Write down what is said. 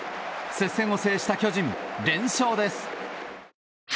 接戦を制した巨人、連勝です。